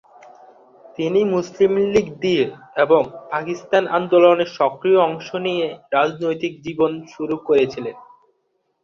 তিনি মুসলিম লীগ দিয়ে এবং পাকিস্তান আন্দোলনে সক্রিয় অংশ নিয়ে রাজনৈতিক জীবন শুরু করেছিলেন।